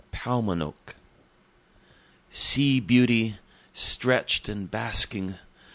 Paumanok Sea beauty! stretch'd and basking!